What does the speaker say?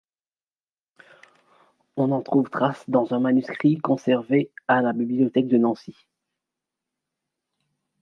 On en trouve trace dans un manuscrit conservé à la bibliothèque de Nancy.